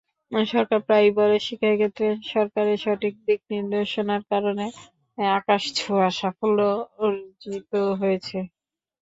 সরকার প্রায়ই বলে থাকে, শিক্ষাক্ষেত্রে সরকারের সঠিক দিকনির্দেশনার কারণে আকাশছেঁায়া সাফল্য অর্জিত হয়েছে।